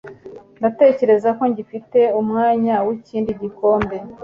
Ndatekereza ko ngifite umwanya wikindi gikombe.